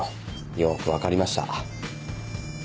よく分かりました。